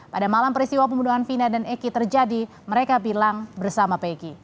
pada malam peristiwa pembunuhan vina dan eki terjadi mereka bilang bersama peggy